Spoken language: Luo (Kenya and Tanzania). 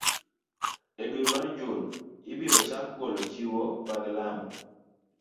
E dwe mar Jun, ibiro chak golo chiwo mag lamo